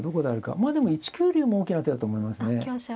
まあでも１九竜も大きな手だと思いますね。